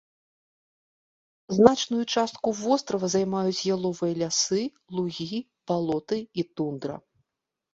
Значную частку вострава займаюць яловыя лясы, лугі, балоты і тундра.